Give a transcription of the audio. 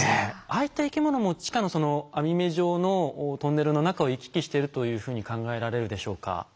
ああいった生き物も地下の網目状のトンネルの中を行き来してるというふうに考えられるでしょうか？